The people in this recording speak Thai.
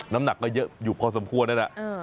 น้ำหนักก็เยอะอยู่พอสมควรนั่นแหละ